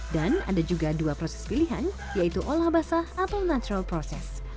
dan ada juga dua proses pilihan yaitu olah basah atau natural process